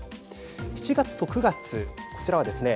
７月と９月こちらはですね。